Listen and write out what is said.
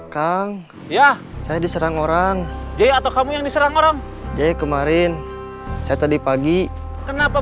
kang ya saya diserang orang jadi atau kamu yang diserang orang jadi kemarin saya tadi pagi kenapa